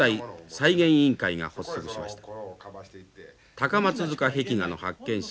高松塚壁画の発見者